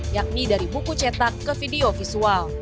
yakni dari buku cetak ke video visual